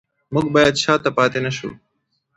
موږ باید شاته پاتې نشو.